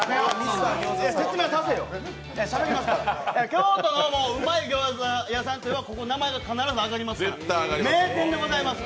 京都のうまいギョーザ屋さんといえばここ、名前が必ず挙がりますから名店でございます！